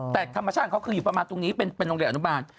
แต่ธรรมชาติของเขาคืออยู่ประมาณตรงนี้เป็นโรงเรียนอนุบาล